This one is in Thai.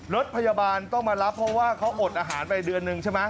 รถพยาบาลต้องมารับเพราะว่าเขาอดอาหารไปเดือนนึงใช่ไหม